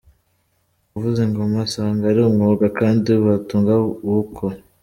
Kuvuza ingoma asanga ari umwuga kandi watunga uwukora.